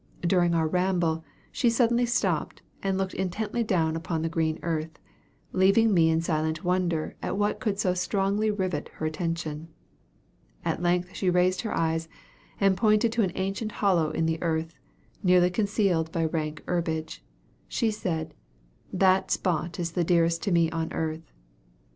During our ramble, she suddenly stopped, and looked intently down upon the green earth, leaving me in silent wonder at what could so strongly rivet her attention. At length she raised her eyes, and pointing to an ancient hollow in the earth, nearly concealed by rank herbage, she said, "that spot is the dearest to me on earth."